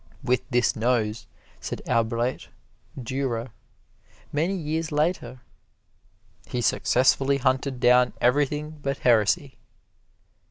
"With this nose," said Albrecht Durer, many years later, "he successfully hunted down everything but heresy."